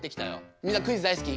みんなクイズ大好き？